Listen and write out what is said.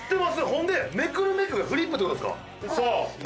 ほんで「めくるめく」がフリップって事ですか？